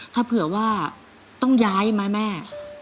ถ้าเผื่อว่าต้องย้ายไหมแม่